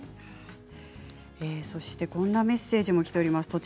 そしてこんなメッセージもきています。